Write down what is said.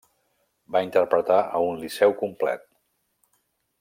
Va interpretar a un liceu complet.